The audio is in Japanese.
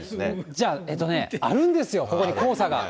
じゃあ、あるんですよ、ここに、黄砂が。